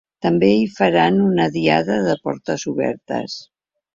També hi faran una diada de portes obertes.